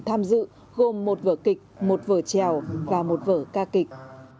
tham dự gồm một vợ kịch một vợ trèo và một vợ ca kịch